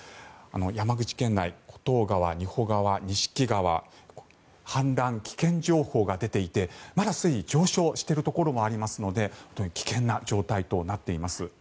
山口県内厚東川、仁保川、錦川氾濫危険情報が出ていてまだ水位が上昇しているところもありますので危険な状態となっています。